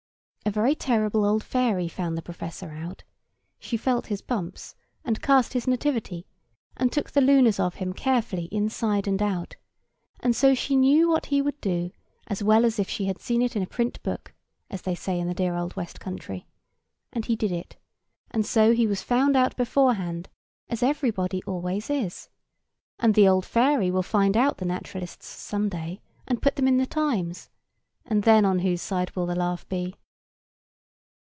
A very terrible old fairy found the professor out; she felt his bumps, and cast his nativity, and took the lunars of him carefully inside and out; and so she knew what he would do as well as if she had seen it in a print book, as they say in the dear old west country; and he did it; and so he was found out beforehand, as everybody always is; and the old fairy will find out the naturalists some day, and put them in the Times, and then on whose side will the laugh be?